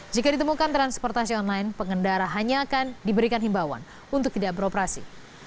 jika ditemukan transportasi online pengendara hanya akan diberikan himbawan untuk tidak beroperasi